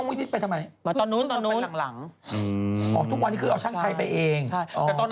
มาไปของฝรั่งหมดเลย